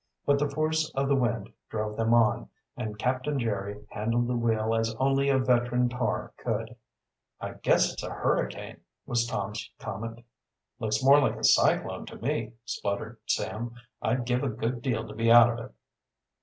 But the force of the wind drove them on, and Captain Jerry handled the wheel as only a veteran tar could. "I guess it's a hurricane," was Tom's comment. "Looks more like a cyclone to me," spluttered Sam. "I'd give a good deal to be out of it."